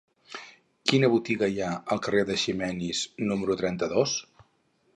Quina botiga hi ha al carrer d'Eiximenis número trenta-dos?